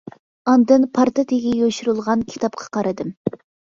ئاندىن پارتا تېگىگە يوشۇرۇلغان كىتابقا قارىدىم.